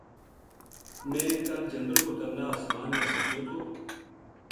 میں کل جندر کو ترنا اسمان نا سٹیو تھو